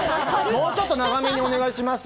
もうちょっと長めにお願いします。